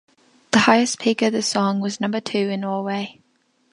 The highest peak of the song was number two in Norway.